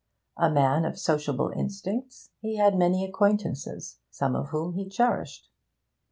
A man of sociable instincts, he had many acquaintances, some of whom he cherished.